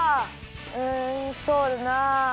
うんそうだな。